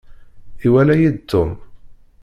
Iwala-yi-d Tom.